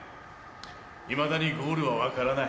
いまだにゴールは分からない。